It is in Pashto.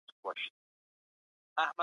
اسلام د جنایت کارانو لپاره سزا لري.